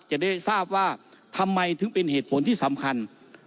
จะได้ทราบว่าทำไมถึงเป็นเหตุผลที่สำคัญ